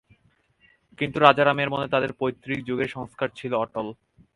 কিন্তু রাজারামের মনে তাঁদের পৈত্রিক যুগের সংস্কার ছিল অটল।